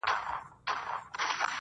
هم انارګل وي هم نوبهار وي -